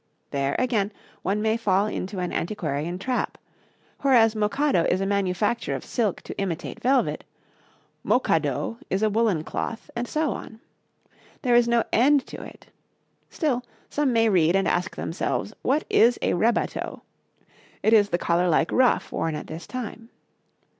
There, again, one may fall into an antiquarian trap; whereas mochado is a manufacture of silk to imitate velvet, mokkadoe is a woollen cloth, and so on; there is no end to it. Still, some may read and ask themselves what is a rebatoe. It is the collar like ruff worn at this time.